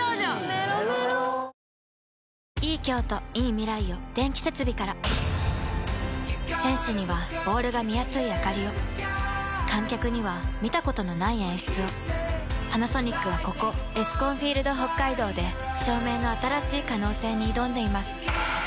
メロメロ選手にはボールが見やすいあかりを観客には見たことのない演出をパナソニックはここエスコンフィールドＨＯＫＫＡＩＤＯで照明の新しい可能性に挑んでいます